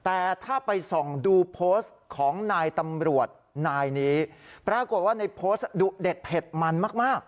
แต่ถ้าไปส่องดูโพสต์ของนายตำรวจนายนี้ปรากฏว่าในโพสต์ดุเด็ดเผ็ดมันมาก